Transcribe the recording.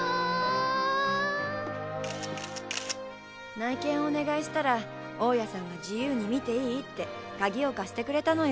内見お願いしたら大家さんが自由に見ていいって鍵を貸してくれたのよ。